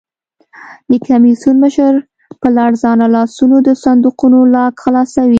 د کمېسیون مشر په لړزانه لاسونو د صندوقونو لاک خلاصوي.